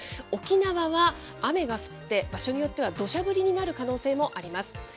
沖縄は雨が降って、場所によってはどしゃ降りになる可能性があります。